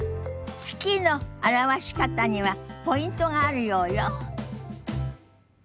「月」の表し方にはポイントがあるようよ。